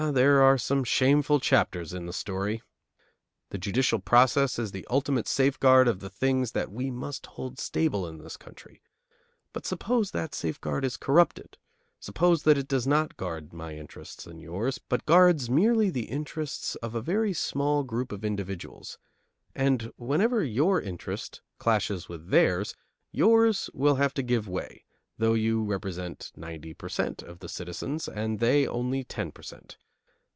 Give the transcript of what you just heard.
Ah, there are some shameful chapters in the story! The judicial process is the ultimate safeguard of the things that we must hold stable in this country. But suppose that that safeguard is corrupted; suppose that it does not guard my interests and yours, but guards merely the interests of a very small group of individuals; and, whenever your interest clashes with theirs, yours will have to give way, though you represent ninety per cent. of the citizens, and they only ten per cent.